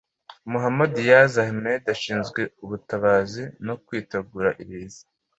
Mohammad Riaz Ahmed ushinzwe ubutabazi no kwitegura ibiza